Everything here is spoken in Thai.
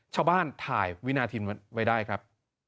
ชาวบ้านถ่ายวินาทีไว้ได้ครับ